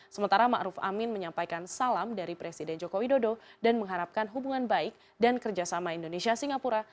sementara ⁇ maruf ⁇ amin menyampaikan salam dari presiden joko widodo dan mengharapkan hubungan baik dan kerjasama indonesia singapura